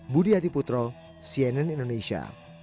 budi hadi putro cnn indonesia